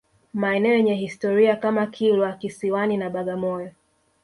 Maeneo yenye historia kama Kilwa Kisiwani na Bagamoyo